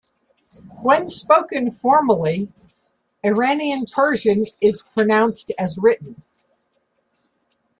When spoken formally, Iranian Persian is pronounced as written.